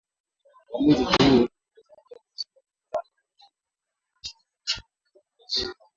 uamuzi huo ulitolewa katika mkutano ulioongozwa na kiongozi wa kijeshi